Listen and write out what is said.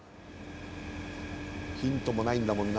ヒントもないんだもんなこれな。